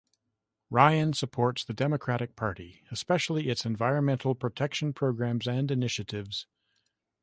Ryan supports the Democratic Party, especially its environmental protection programs and initiatives.